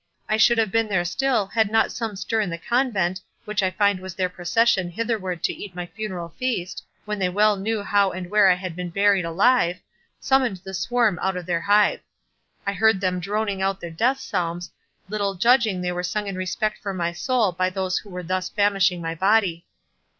I should have been there still, had not some stir in the Convent, which I find was their procession hitherward to eat my funeral feast, when they well knew how and where I had been buried alive, summoned the swarm out of their hive. I heard them droning out their death psalms, little judging they were sung in respect for my soul by those who were thus famishing my body.